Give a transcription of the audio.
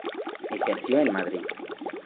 Ejerció en Madrid.